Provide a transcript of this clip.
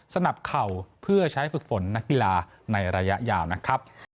สนับเข่าเพื่อใช้ฝึกฝนนักกีฬาในระยะยาวนะครับ